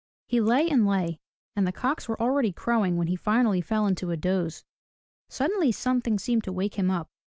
He lay and lay and the cocks were already crowing when he finally fell into a doze. Suddenly something seemed to wake him up.